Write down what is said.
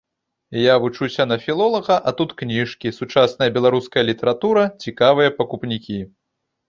Я вучуся на філолага, а тут кніжкі, сучасная беларуская літаратура, цікавыя пакупнікі.